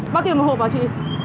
bao tiền một hộp hả chị